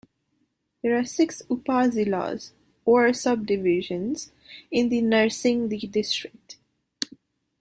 There are six upazilas, or subdivisions, in the Narsingdi district.